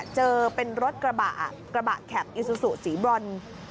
เจอเป็นรถกระบะแขกอิซุสุสีบร้อน